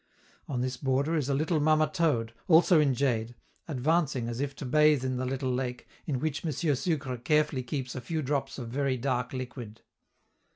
On this border is a little mamma toad, also in jade, advancing as if to bathe in the little lake in which M. Sucre carefully keeps a few drops of very dark liquid.